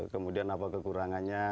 kemudian apa kekurangannya